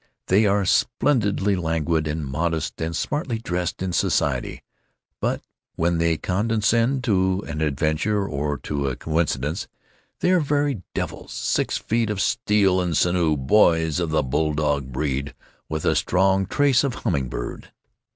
They are splendidly languid and modest and smartly dressed in society, but when they condescend to an adventure or to a coincidence, they are very devils, six feet of steel and sinew, boys of the bulldog breed with a strong trace of humming bird.